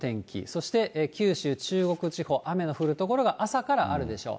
そして九州、中国地方、雨の降る所が朝からあるでしょう。